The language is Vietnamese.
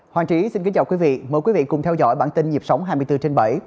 hoàng trí xin kính chào quý vị mời quý vị cùng theo dõi bản tin nhịp sống hai mươi bốn trên bảy